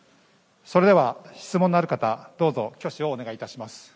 それでは、質問のある方挙手をお願い致します。